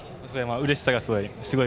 うれしさがすごい。